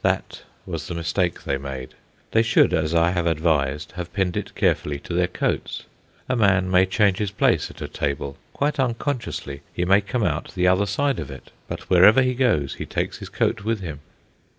That was the mistake they made. They should, as I have advised, have pinned it carefully to their coats. A man may change his place at a table, quite unconsciously he may come out the other side of it; but wherever he goes he takes his coat with him.